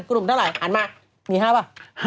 กลุ่มเท่าไหร่หันมามี๕ป่ะ